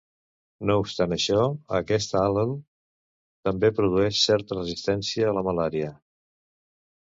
No obstant això, aquest al·lel també produeix certa resistència a la malària.